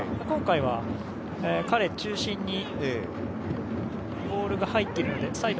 今回は、彼中心にボールが入っているので。